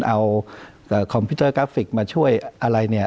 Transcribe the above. เอาคอมพิวเตอร์กราฟิกมาช่วยอะไรเนี่ย